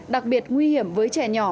đặc biệt nguy hiểm với trẻ nhỏ